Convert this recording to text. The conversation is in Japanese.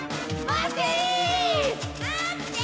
待って！